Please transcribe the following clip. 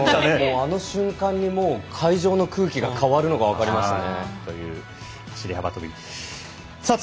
あの瞬間にもう会場の空気が変わるのが分かりましたね。